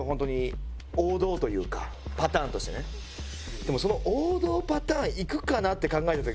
でもその王道パターンいくかなって考えた時に。